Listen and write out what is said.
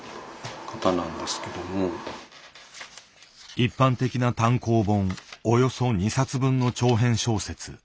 一般的な単行本およそ２冊分の長編小説。